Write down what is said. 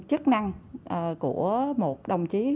chức năng của một đồng chí